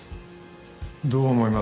どう思います？